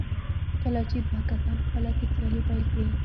کله چې دوه کسان خپله کې سیالي پيل کړي.